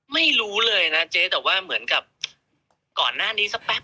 ไม่รู้เลยนะเจ๊แต่ว่าเหมือนกับก่อนหน้านี้สักแป๊บ